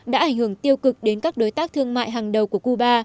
đã ảnh hưởng tiêu cực đến các đối tác thương mại hàng đầu của cuba